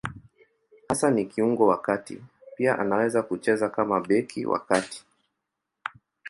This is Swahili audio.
Hasa ni kiungo wa kati; pia anaweza kucheza kama beki wa kati.